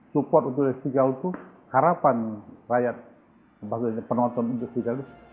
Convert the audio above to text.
support untuk elias pikal itu harapan rakyat maksudnya penonton untuk pikal itu